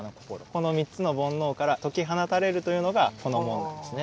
この三つの煩悩から解き放たれるというのがこの門なんですね。